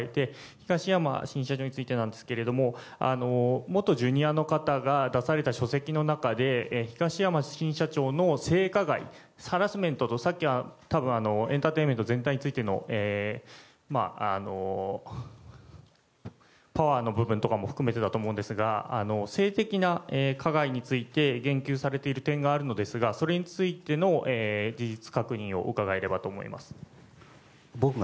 東山新社長についてですけども元Ｊｒ．の方が出された書籍の中で東山新社長の性加害ハラスメントとさっきはエンターテインメント全体についてのパワーの部分とかも含めてだと思うんですが性的な加害について言及されている点があるのですがそれについての事実確認を伺えればと思います。